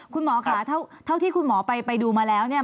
คุณหมอค่ะเท่าที่คุณหมอไปดูมาแล้วเนี่ย